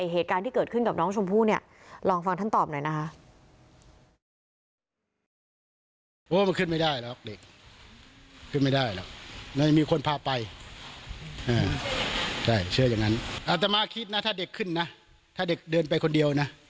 เหตุการณ์ที่เกิดขึ้นกับน้องชมพู่เนี่ย